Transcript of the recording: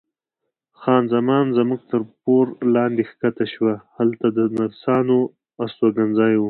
خان زمان زموږ تر پوړ لاندې کښته شوه، هلته د نرسانو استوګنځای و.